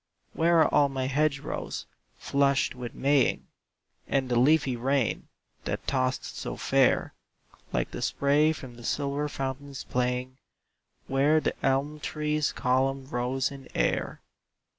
"Where are all my hedge rows, flushed with Maying? And the leafy rain, that tossed so fair, Like the spray from silver fountains playing, Where the elm tree's column rose in air?